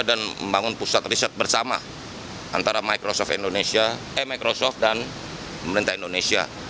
dan membangun pusat riset bersama antara microsoft dan pemerintah indonesia